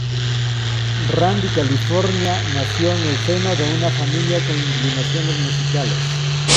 Randy California nació en el seno de una familia con inclinaciones musicales.